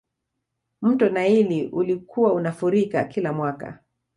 mto naili ulikuwa unafurika kila mwaka